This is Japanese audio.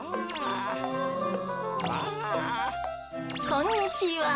こんにちは。